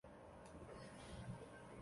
改编曲一般分为两种。